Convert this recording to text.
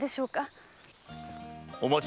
お待ち